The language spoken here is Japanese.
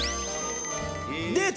出た！